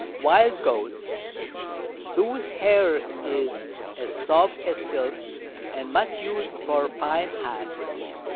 Wild Goats, whose Hair is as soft as Silk, and much us'd for fine Hats.